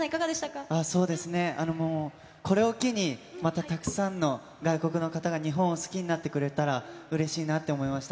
そうですね、もうこれを機に、またたくさんの外国の方が日本を好きになってくれたら、うれしいなと思いました。